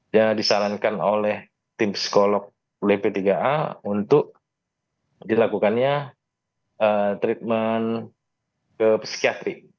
dia disarankan oleh tim psikolog oleh p tiga a untuk dilakukannya treatment ke psikiatri